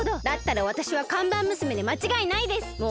だったらわたしは看板娘でまちがいないです！